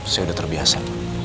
saya udah terbiasa